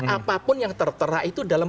apapun yang tertera itu dalam